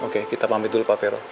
oke kita pamit dulu pak ferry